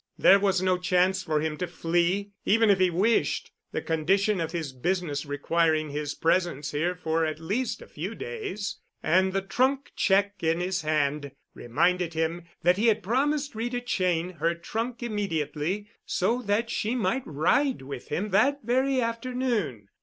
There was no chance for him to flee, even if he wished, the condition of his business requiring his presence here for at least a few days, and the trunk check in his hand reminded him that he had promised Rita Cheyne her trunk immediately, so that she might ride with him that very afternoon.